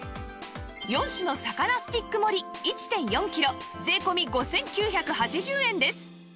４種の魚スティック盛り １．４ キロ税込５９８０円です